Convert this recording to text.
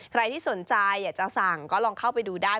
ใครที่สนใจอยากจะสั่งก็ลองเข้าไปดูได้